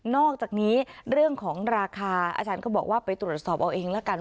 อกจากนี้เรื่องของราคาอาจารย์ก็บอกว่าไปตรวจสอบเอาเองละกัน